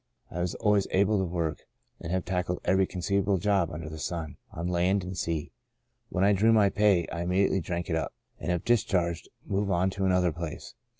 I was always able to work, and have tackled every conceivable job under the sun — on land and sea. When I drew my pay, I immediately drank it up, and if dis charged, moved on to another place.